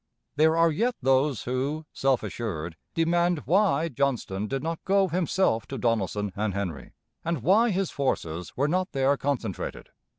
There are yet those who, self assured, demand why Johnston did not go himself to Donelson and Henry, and why his forces were not there concentrated.